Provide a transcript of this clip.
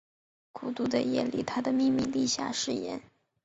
孤独的夜里他秘密立下誓言